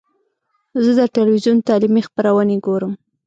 زه د ټلویزیون تعلیمي خپرونې ګورم.